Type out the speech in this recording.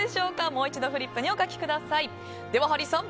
もう一度、フリップにお書きください。